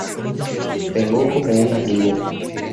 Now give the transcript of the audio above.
Vengo como un amigo".